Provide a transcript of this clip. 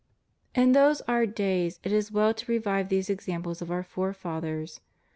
In these our days it is well to revive these examples oE our forefathers.